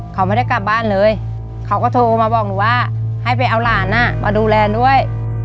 เขาไม่ได้กลับบ้านเลยเขาก็โทรมาบอกหนูว่าให้ไปเอาหลานมาดูแลด้วย